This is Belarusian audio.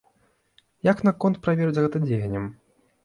Як наконт праверыць гэта дзеяннем?